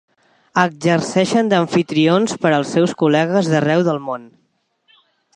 Exerceixen d'amfitrions per als seus col·legues d'arreu del món.